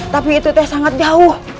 tapi itu sangat jauh